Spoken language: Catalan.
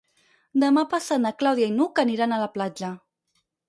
Demà passat na Clàudia i n'Hug aniran a la platja.